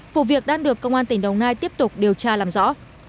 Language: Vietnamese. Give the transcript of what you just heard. vụ việc đang được công an tỉnh đồng nai tiếp tục điều tra làm rõ